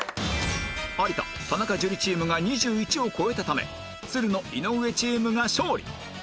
有田・田中樹チームが２１を超えたためつるの・井上チームが勝利